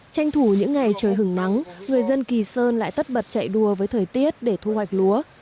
tranh thủ những ngày trời hứng nắng người dân kỳ sơn lại tất bật chạy đua với thời tiết để thu hoạch lúa